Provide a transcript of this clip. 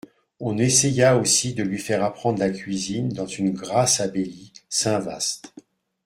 On essaya aussi de lui faire apprendre la cuisine dans une grasse abbaye, Saint-Vast.